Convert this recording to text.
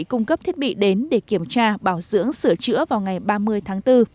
cung cấp thiết bị đến để kiểm tra bảo dưỡng sửa chữa vào ngày ba mươi tháng bốn